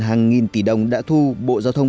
hàng nghìn tỷ đồng đã thu bộ giao thông